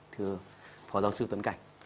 thưa phó giáo sư tuấn cảnh